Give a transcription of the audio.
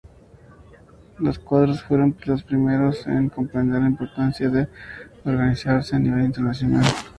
Los cuadros fueron los primeros en comprender la importancia de organizarse a nivel internacional.